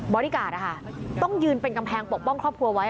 อดี้การ์ดต้องยืนเป็นกำแพงปกป้องครอบครัวไว้